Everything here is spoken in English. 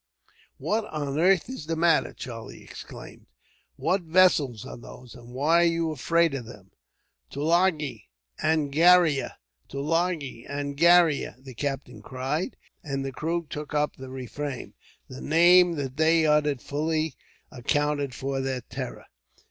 "What on earth is the matter?" Charlie exclaimed. "What vessels are those, and why are you afraid of them?" "Tulagi Angria! Tulagi Angria!" the captain cried, and the crew took up the refrain. The name that they uttered fully accounted for their terror.